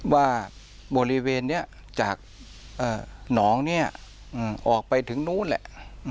ว่าบริเวณนี้จากหนองเนี่ยออกไปถึงนู้นแหละ